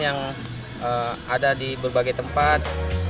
yang ada di berbagai tempat